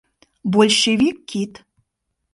большевик кид.